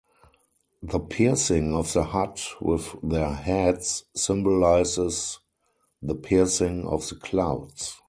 The piercing of the hut with their heads symbolizes the piercing of the clouds.